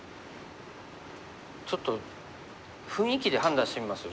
ちょっと雰囲気で判断してみます？